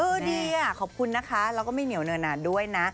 ดีขอบคุณนะคะแล้วก็ไม่เหนียวเนื้อนานด้วยนะ